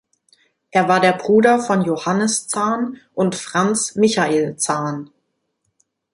Er war der Bruder von Johannes Zahn und Franz Michael Zahn.